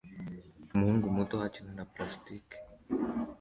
Umuhungu muto akina na plastike